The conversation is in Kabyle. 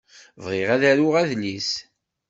Bɣiɣ ad d-aruɣ adlis.